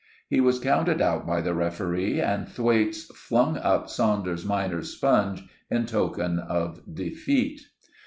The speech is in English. He was counted out by the referee, and Thwaites flung up Saunders minor's sponge in token of defeat.